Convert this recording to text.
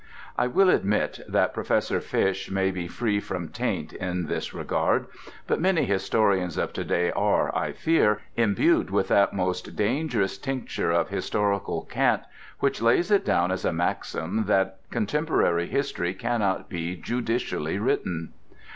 I will admit that Professor Fish may be free from taint in this regard; but many historians of to day are, I fear, imbued with that most dangerous tincture of historical cant which lays it down as a maxim that contemporary history cannot be judicially written.